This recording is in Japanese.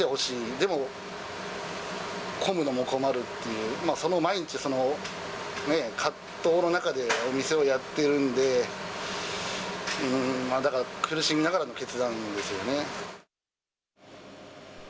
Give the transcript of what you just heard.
でも混むのも困るっていう、毎日、葛藤の中でお店をやっているんで、だから、苦しみながらの決断ですよね。